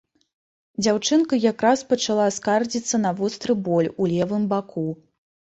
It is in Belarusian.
Дзяўчынка якраз пачала скардзіцца на востры боль у левым баку.